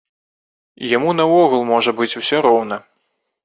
Яму наогул можа быць усё роўна.